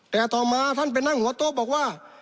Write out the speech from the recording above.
แต่ต่อมาท่านไปนั่งหัวโต๊ะบอกว่า